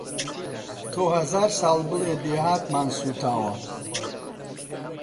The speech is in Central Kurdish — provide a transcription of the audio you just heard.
تۆ هەزار ساڵ بڵێ دێهاتمان سووتاوە